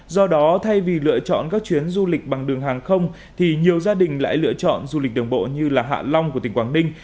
do đó thay vì lựa chọn các chuyến du lịch bằng đường hàng không thì nhiều gia đình lại lựa chọn du lịch đường bộ như hạ long của tỉnh quảng ninh